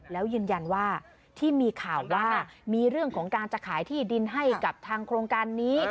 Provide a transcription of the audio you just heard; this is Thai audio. แล้วยืนยันว่าที่มีข่าวว่ามีเรื่องของการจะขายที่ดินให้กับทางโครงการนี้